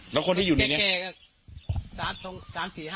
แล้วคนที่อยู่ในนี้